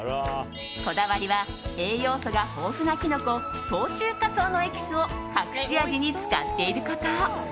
こだわりは栄養素が豊富なキノコ冬虫夏草のエキスを隠し味に使っていること。